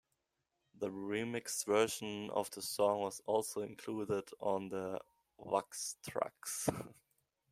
The remixed version of the song was also included on the Wax Trax!